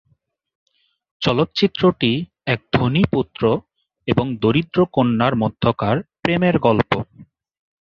চলচ্চিত্রটি এক ধনী পুত্র এবং দরিদ্র কন্যার মধ্যকার প্রেমের গল্প।